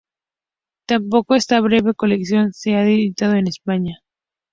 Tampoco esta breve colección se ha editado en España.